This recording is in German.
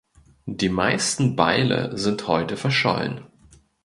Die meisten Beile sind heute verschollen.